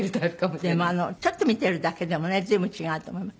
でもちょっと見てるだけでもね随分違うと思います。